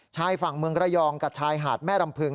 ชายฝั่งเมืองระยองกับชายหาดแม่รำพึง